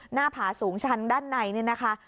หน้าผาสูงชันด้านในนี่นะคะ